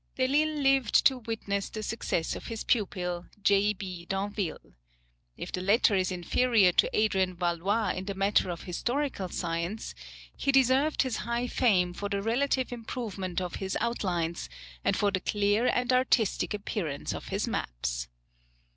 Delisle lived to witness the success of his pupil, J. B. d'Anville. If the latter is inferior to Adrian Valois in the matter of historical science, he deserved his high fame for the relative improvement of his outlines, and for the clear and artistic appearance of his maps.